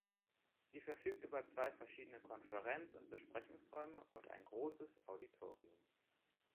Sie verfügt über zwei verschiedene Konferenz- und Besprechungsräume und ein großes Auditorium.